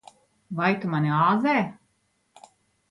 Vai tu mani āzē?